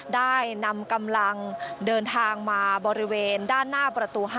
ได้นำกำลังเดินทางมาบริเวณด้านหน้าประตู๕